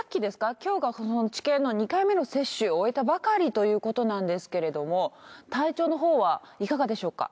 今日がその治験の２回目の接種を終えたばかりということなんですけれども体調のほうはいかがでしょうか？